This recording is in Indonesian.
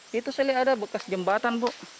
di situ sering ada bekas jembatan bu